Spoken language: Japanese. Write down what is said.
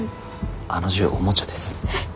あの銃おもちゃです。